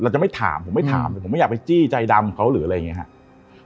จะไม่ถามผมไม่ถามเลยผมไม่อยากไปจี้ใจดำเขาหรืออะไรอย่างนี้ครับ